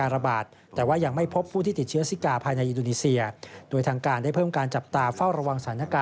ระวังสถานการณ์